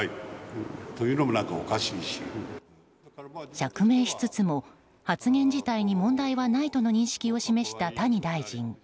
釈明しつつも発言自体に問題はないとの認識を示した谷大臣。